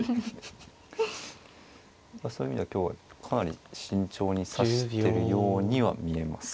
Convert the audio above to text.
そういう意味では今日はかなり慎重に指してるようには見えます。